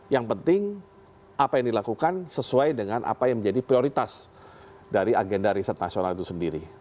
yang penting apa yang dilakukan sesuai dengan apa yang menjadi prioritas dari agenda riset nasional itu sendiri